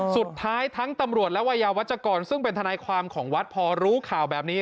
สุดท้ายทั้งตำรวจและวัยยาวัชกรซึ่งเป็นทนายความของวัดพอรู้ข่าวแบบนี้